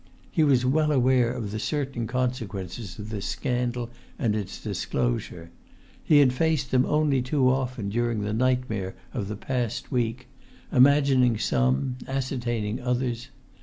He was well aware of the certain consequences of this scandal and its disclosure; he had faced them only too often during the nightmare of the past week, imagining some, ascertaining others.